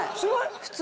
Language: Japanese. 普通。